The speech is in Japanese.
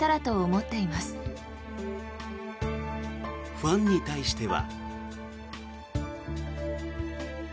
ファンに対しては。